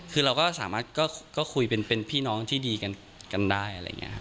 คือเราก็สามารถคุยเป็นพี่น้องที่ดีกันได้